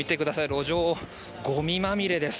路上、ごみまみれです。